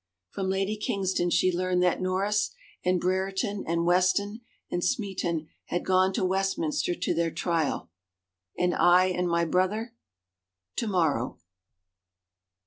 From Lady Kingston she learned that Norris and Brereton and Weston and Smeton had gone to Westminster to their trial. " And I and my brother ?"" To morrow."